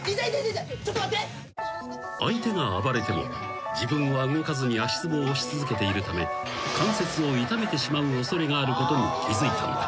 ［相手が暴れても自分は動かずに足つぼを押し続けているため関節を痛めてしまう恐れがあることに気付いたのだ］